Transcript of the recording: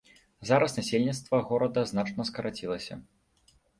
Зараз насельніцтва горада значна скарацілася.